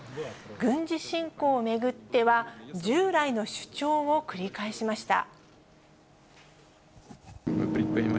軍事侵攻を巡っては、従来の主張を繰り返しました。